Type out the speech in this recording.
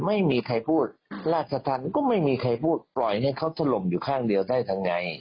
ไม่มีใครพูดราชธรรมก็ไม่มีใครพูดปล่อยให้เขาถล่มอยู่ข้างเดียวได้ทำไง